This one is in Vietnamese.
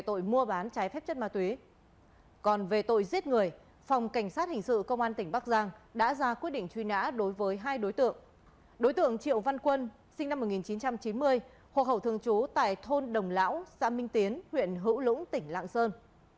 đối tượng triệu văn quân sinh năm một nghìn chín trăm chín mươi hồ hậu thường trú tại thôn đồng lão xã minh tiến huyện hữu lũng tỉnh lạng sơn